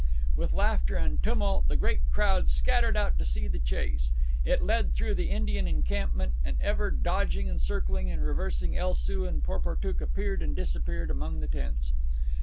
With laughter and tumult, the great crowd scattered out to see the chase. It led through the Indian encampment; and ever dodging, circling, and reversing, El Soo and Porportuk appeared and disappeared among the tents.